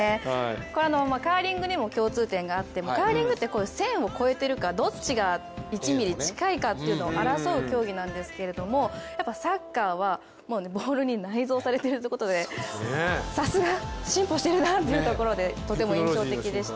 これはカーリングでも共通点があって、カーリングって線を越えているかどっちが１ミリ近いかというのを争う競技なんですけれどもサッカーはボールに内蔵されているっていうところでさすが、進歩しているなっていうところでとても印象的でした。